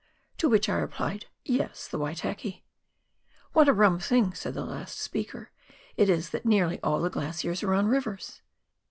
To which I replied, " Yes, the Waitaki." " What a rum thing," said the last speaker, " it is that nearly all the glaciers are on rivers."